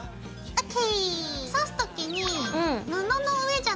ＯＫ！